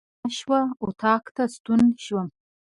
غرمه شوه، اطاق ته ستون شوم.